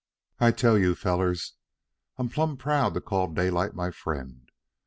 "I tell you fellers I'm plum proud to call Daylight my friend.